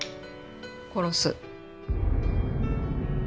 殺す。